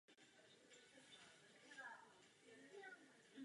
Je plánována výstavba nového mostu.